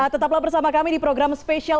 tetaplah bersama kami di program spesial